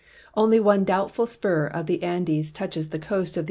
Oidy one doubtful s[»ur of the Andes touches the coast of the